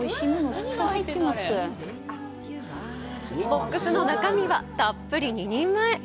ボックスの中身はたっぷり２人前。